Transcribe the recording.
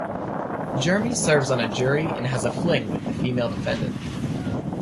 Jeremy serves on a jury and has a fling with the female defendant.